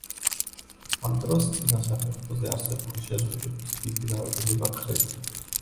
ამ დროს წინა საფეხურზე არსებული შეზღუდვების დიდი რაოდენობა ქრება.